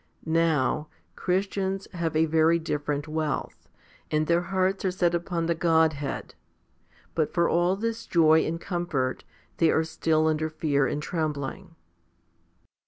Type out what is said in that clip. Now, Christians have a very different wealth, and their hearts are set upon the Godhead; but for all this joy and comfort, they are still under fear and trembling.